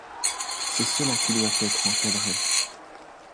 C’est cela qui doit être encadré.